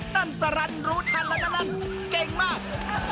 ตั้งสรรค์รู้ทันแล้วตั้งสรรค์เก่งมาก